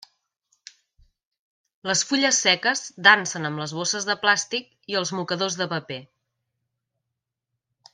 Les fulles seques dansen amb les bosses de plàstic i els mocadors de paper.